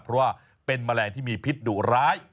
เพราะว่าเป็นแมลงที่มีพิษดุร้าย